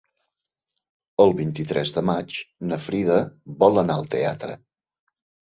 El vint-i-tres de maig na Frida vol anar al teatre.